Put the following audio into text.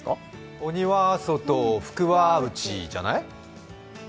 「鬼は外、福は内」じゃない？